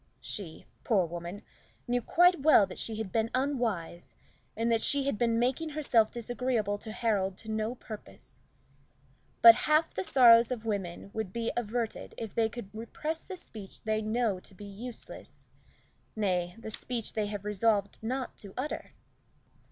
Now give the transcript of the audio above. She, poor woman, knew quite well that she had been unwise, and that she had been making herself disagreeable to Harold to no purpose. But half the sorrows of women would be averted if they could repress the speech they know to be useless nay, the speech they have resolved not to utter.